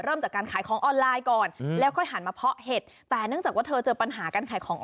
เริ่มจากการขายของออนไลน์ก่อน